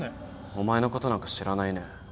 お前のことなんか知らないね。